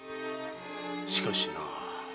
しかしなぁ。